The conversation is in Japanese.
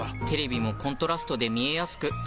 テレビもコントラストで見えやすく。